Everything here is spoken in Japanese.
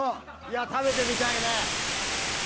食べてみたいね。